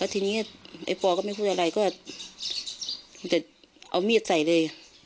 ทีนี้ไอ้ปอก็ไม่พูดอะไรก็จะเอามีดใส่เลย